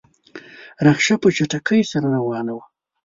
رکشه په چټکۍ سره روانه وه.